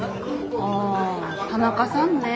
ああ田中さんね